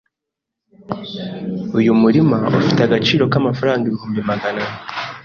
uyu murima ufite agaciro k’amafaranga ibihumbi magana ane